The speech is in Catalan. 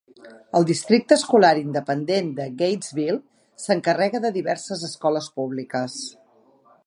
El districte escolar independent de Gatesville s'encarrega de diverses escoles públiques.